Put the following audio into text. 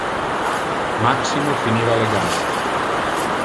Maximo finiva le gas.